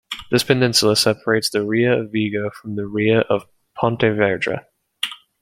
This peninsula separates the Ria of Vigo from the Ria of Pontevedra.